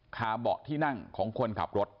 เบาะที่นั่งของคนขับรถ